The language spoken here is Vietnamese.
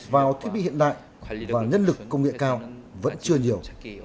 vào thiết bị hiện đại và nhân lực công nghệ cao vẫn chưa nhiều